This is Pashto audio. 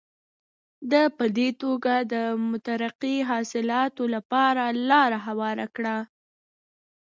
ده په دې توګه د مترقي اصلاحاتو لپاره لاره هواره کړه.